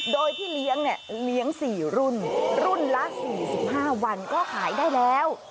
โดยที่เลี้ยงเนี่ยเลี้ยง๔รุ่นรุ่นละ๔๕วันก็ขายได้แล้ว